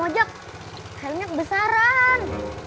om ojak helmnya kebesaran